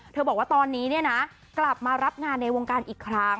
บอกว่าตอนนี้เนี่ยนะกลับมารับงานในวงการอีกครั้ง